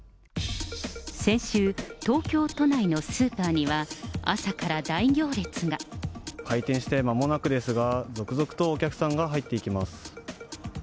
先週、東京都内のスーパーには、開店してまもなくですが、続々とお客さんが入っていきます。